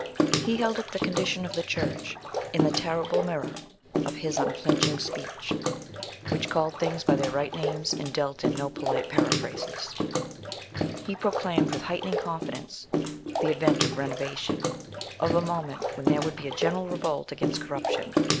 He held up the condition of the Church in the terrible mirror of his unflinching speech, which called things by their right names and dealt in no polite periphrases; he proclaimed with heightening confidence the advent of renovation—of a moment when there would be a general revolt against corruption.